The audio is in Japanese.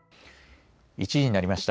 １時になりました。